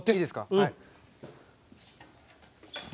はい。